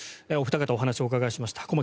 お二方にお話をお伺いしました。